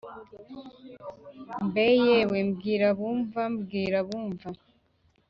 mbe yewe mbwirabumva mbwirabumva!